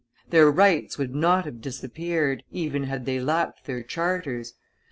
Their rights would not have disappeared, even had they lacked their charters.